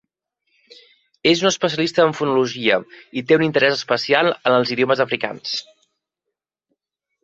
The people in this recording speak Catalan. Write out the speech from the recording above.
És un especialista en fonologia i té un interès especial en els idiomes africans.